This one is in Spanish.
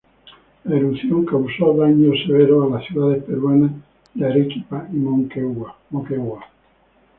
La erupción causó daños severos a las ciudades peruanas de Arequipa y Moquegua.